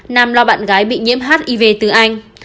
nam lo bạn gái bị nhiễm hiv từ anh